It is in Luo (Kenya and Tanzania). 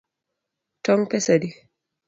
Tong’ pesa adi?